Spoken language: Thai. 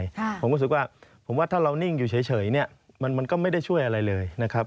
ผมรู้สึกว่าผมว่าถ้าเรานิ่งอยู่เฉยเนี่ยมันก็ไม่ได้ช่วยอะไรเลยนะครับ